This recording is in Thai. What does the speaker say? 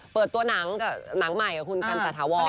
เปิดตัวหนังใหม่กับคุณกันตะถาวร